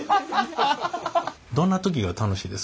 どんな時が楽しいですか？